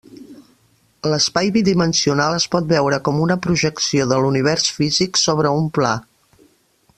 L'espai bidimensional es pot veure com una projecció de l'univers físic sobre un pla.